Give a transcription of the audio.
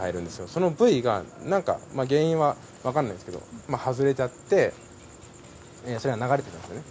そのブイが、なんか原因は分かんないですけど、外れちゃって、それが流れたんですよね。